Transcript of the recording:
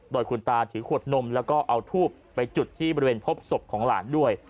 โดยคุณตาถือขวดนมแล้วก็เอาทูบไปจุดที่บริเวณพบศพของหลานด้วย